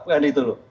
kan itu loh